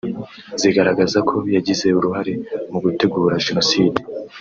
zigaragaza ko yagize uruhare mu gutegura Jenoside